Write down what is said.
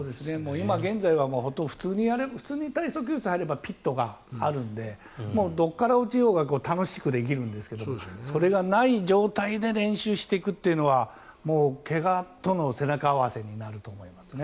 今現在は普通に体操教室に入ればピットがあるのでどこから落ちようが楽しくできるんですけどそれがない状態で練習していくというのは怪我との背中合わせになると思いますね。